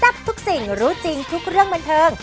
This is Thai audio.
ทุกสิ่งรู้จริงทุกเรื่องบันเทิง